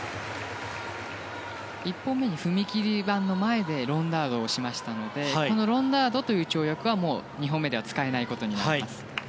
１本目、踏み切り板の前でロンダートをしましたのでこのロンダートという跳躍はもう、２本目は使えないことになります。